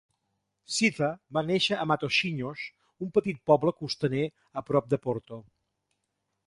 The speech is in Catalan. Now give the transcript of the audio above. Siza va nàixer a Matosinhos, un petit poble costaner a prop de Porto.